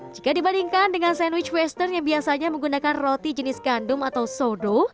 jika dibandingkan dengan sandwich western yang biasanya menggunakan roti jenis kandung atau sodo